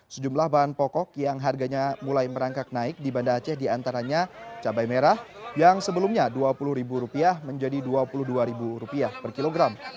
sejumlah bahan pokok yang harganya mulai merangkak naik di banda aceh diantaranya cabai merah yang sebelumnya rp dua puluh menjadi rp dua puluh dua per kilogram